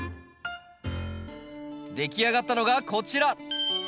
出来上がったのがこちら。